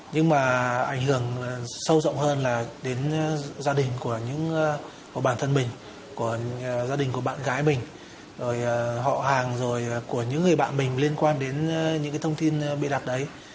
nhưng mà ảnh hưởng sâu rộng hơn là đến gia đình của những bản thân mình của gia đình của bạn gái mình rồi họ hàng rồi của những người bạn mình liên quan đến những cái thông tin bịa đặt đấy